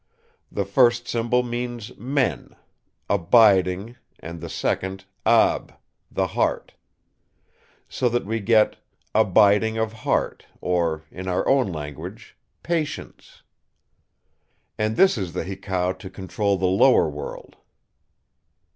The first symbol means 'men', 'abiding', and the second, 'ab', 'the heart'. So that we get 'abiding of heart', or in our own language 'patience'. And this is the hekau to control the Lower World!"